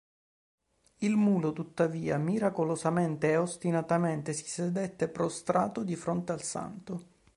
Il mulo, tuttavia, miracolosamente e ostinatamente si sedette prostrato di fronte al santo.